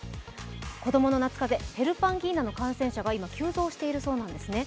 子供の夏風邪、ヘルパンギーナの感染者が今、急増しているそうなんですね。